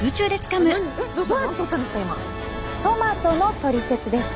トマトのトリセツです。